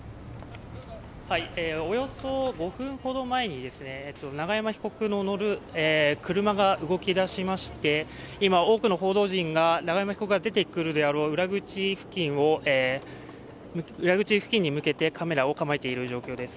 およそ５分ほど前に永山被告の乗る車が動き出しまして、今、多くの報道陣が永山被告が出てくるであろう、裏口付近に向けてカメラを構えている状況です。